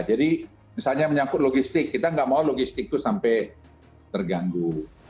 jadi misalnya menyangkut logistik kita nggak mau logistik itu sampai terganggu